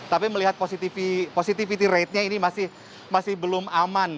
tapi melihat positivity ratenya ini masih belum aman